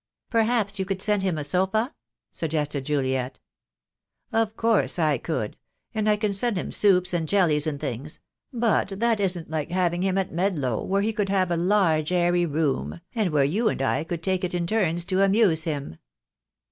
"Perhaps you could send him a sofa?" suggested Juliet. "Of course I could; and I can send him soups and jellies and things — but that isn't like having him at Med low, where he could have a large airy room, and where you and I could take it in turns to amuse him."